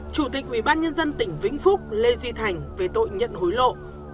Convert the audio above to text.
chủ tịch ủy ban nhân dân tỉnh vĩnh phúc lê duy thành về tội nhận hối lộ